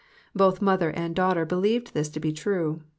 Both mother and daughter believed this to be true.